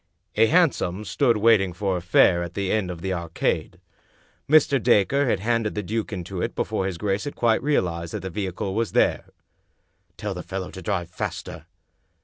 A hansom stood waiting for a fare at the end of the Arcade. Mr. Dacre had handed the duke into it before his grace had quite realized that the vehicle was there. "Tell the fellow to drive faster."